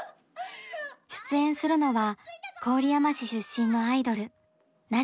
出演するのは郡山市出身のアイドル成瀬瑛美さん。